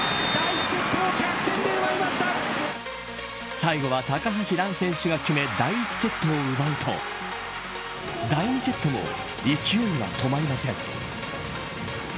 最後は高橋藍選手が決め第１セットを奪うと第２セットも勢いは止まりません。